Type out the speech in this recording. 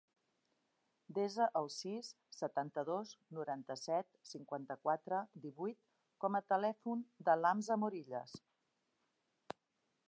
Desa el sis, setanta-dos, noranta-set, cinquanta-quatre, divuit com a telèfon de l'Hamza Morillas.